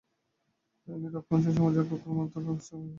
তিনি রক্ষণশীল সমাজের আক্রমণ ও সমালোচনার সম্মুখীন হন।